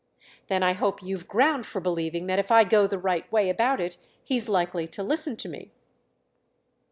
"Then I hope you've ground for believing that if I go the right way about it he's likely to listen to me."